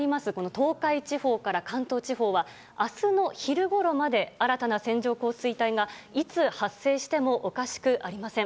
東海地方から関東地方は明日の昼ごろまで新たな線状降水帯がいつ発生してもおかしくありません。